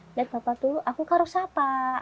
lihat bapak dulu aku karusapa